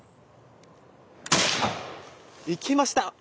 いきました！